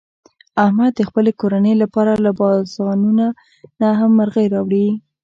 احمد د خپلې کورنۍ لپاره له بازانونه نه هم مرغۍ راوړي.